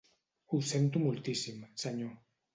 Ho sento moltíssim, senyor.